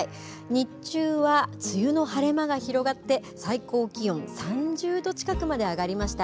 日中は梅雨の晴れ間が広がって、最高気温３０度近くまで上がりました。